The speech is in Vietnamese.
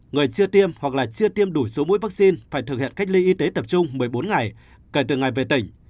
người chia tiêm hoặc chia tiêm đủ số mũi vaccine phải thực hiện cách ly y tế tập trung một mươi bốn ngày kể từ ngày về tỉnh